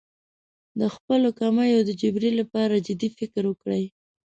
د خپلو کمیو د جبېرې لپاره جدي فکر وکړي.